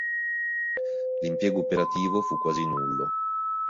L'impiego operativo fu quasi nullo.